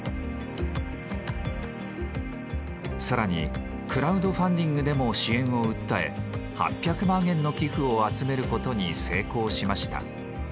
更にクラウドファンディングでも支援を訴え８００万円の寄付を集めることに成功しました。